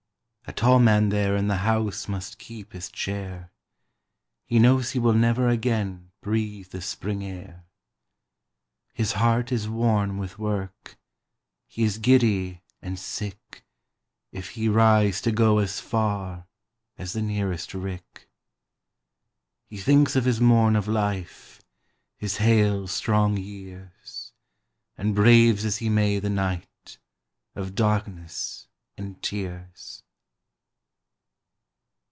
A tall man there in the house Must keep his chair: He knows he will never again Breathe the spring air. His heart is worn with work; He is giddy and sick If he rise to go as far As the nearest rick. He thinks of his morn of life, His hale, strong years; And braves as he may the night Of darkness and tears.